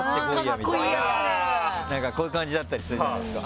みたいなこういう感じだったりするじゃないですか